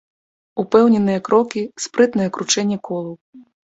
Упэўненыя крокі, спрытнае кручэнне колаў.